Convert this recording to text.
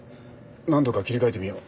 何度か切り替えてみよう。